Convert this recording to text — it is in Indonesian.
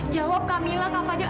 jawab kamilah kak fadil